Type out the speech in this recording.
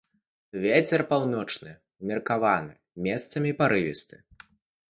Вецер паўночны ўмеркаваны, месцамі парывісты.